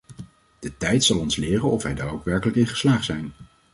De tijd zal ons leren of wij daar ook werkelijk in geslaagd zijn.